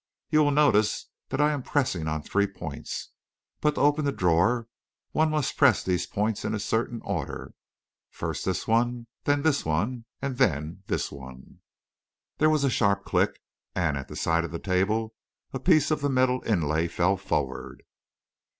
You will notice that I am pressing on three points; but to open the drawer, one must press these points in a certain order first this one, then this one, and then this one." There was a sharp click, and, at the side of the table, a piece of the metal inlay fell forward.